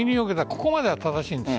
ここまでは正しいんです。